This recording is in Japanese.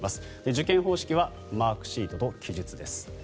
受験方式はマークシートと記述です。